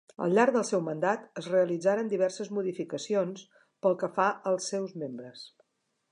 Al llarg del seu mandat es realitzaren diverses modificacions pel que fa als seus membres.